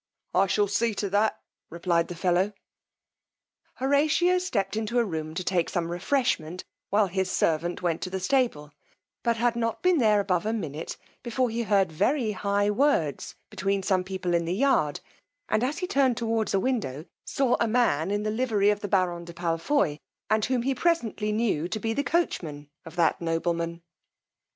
I shall see to that, replied the fellow. Horatio stepped into a room to take some refreshment while his servant went to the stable, but had not been there above a minute before he heard very high words between some people in the yard; and as he turned towards the window, saw a man in the livery of the baron de Palfoy, and whom he presently knew to be the coachman of that nobleman.